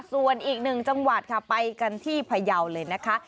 ส่วนอีกหนึ่งจังหวัดค่ะไปกันที่พยาวเลยนะคะ